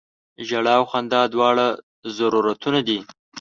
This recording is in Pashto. ژړا او خندا دواړه ضرورتونه دي.